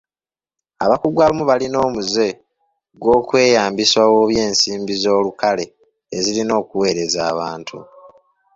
Abakungu abamu balina omuze gw'okweyambisa obubi ensimbi z'olukale ezirina okuweereza abantu.